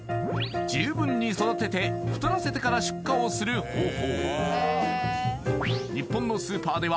十分に育てて太らせてから出荷をする方法